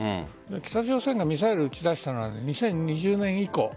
北朝鮮がミサイルを撃ち出したのは２０２０年以降。